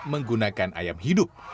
menggunakan ayam hidup